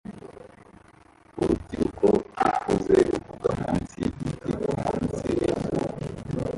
Urubyiruko rukuze ruvuga munsi yigiti kumunsi wizuba